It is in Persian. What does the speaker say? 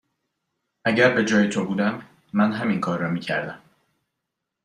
اگر به جای تو بودم، من همین کار را می کردم.